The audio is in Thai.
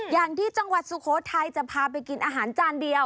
อย่างที่จังหวัดสุโขทัยจะพาไปกินอาหารจานเดียว